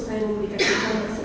saya memberikan kebenaran